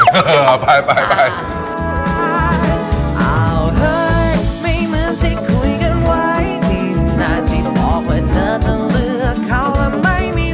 เออไปไป